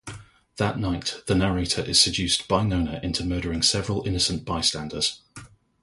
That night, the narrator is seduced by Nona into murdering several innocent bystanders.